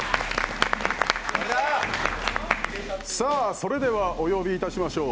それではお呼びいたしましょう。